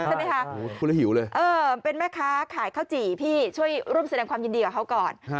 ใช่ไหมคะคนละหิวเลยเออเป็นแม่ค้าขายข้าวจี่พี่ช่วยร่วมแสดงความยินดีกับเขาก่อน